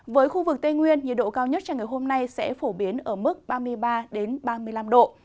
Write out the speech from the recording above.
với khu vực tây nguyên nhiệt độ cao nhất cho ngày hôm nay sẽ phổ biến ở mức ba mươi ba ba mươi năm độ